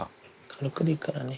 軽くでいいからね。